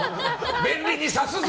便利にさせるぞ！